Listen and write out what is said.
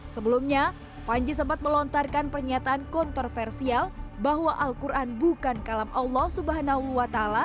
sebelumnya panji sempat melontarkan pernyataan kontroversial bahwa al quran bukan kalam allah swt